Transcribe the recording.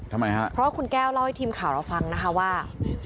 ทำไมฮะเพราะว่าคุณแก้วเล่าให้ทีมข่าวเราฟังนะคะว่า